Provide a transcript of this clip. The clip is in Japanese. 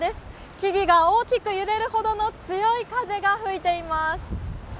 木々が大きく揺れるほどの強い風が吹いています。